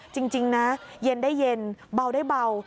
จริงนะเย็นได้เย็นเบาได้เบา